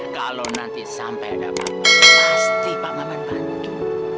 kalau nanti sampai ada papa pasti pak mama bantu